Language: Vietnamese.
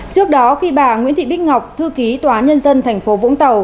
trước đó khi bà nguyễn thị bích ngọc thư ký tòa nhân dân tp vũng tàu